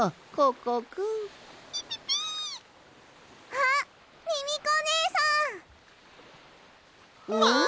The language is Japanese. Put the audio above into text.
あっミミコねえさん！わ！